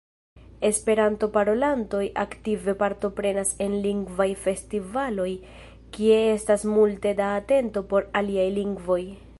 Esperanto-parolantoj aktive partoprenas en lingvaj festivaloj kie estas multe da atento por aliaj lingvoj.